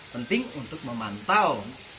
penting untuk memantau